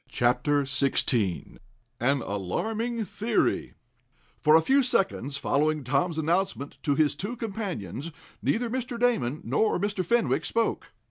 CHAPTER XVI AN ALARMING THEORY For a few seconds, following Tom's announcement to his two companions, neither Mr. Damon nor Mr. Fenwick spoke.